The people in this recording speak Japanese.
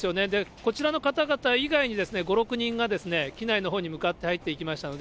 こちらの方々以外に、５、６人が機内のほうに向かって入っていきましたので。